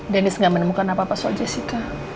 dennis nggak menemukan apa apa soal jessica